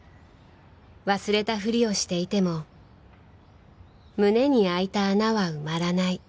忘れたふりをしていても胸に開いた穴は埋まらない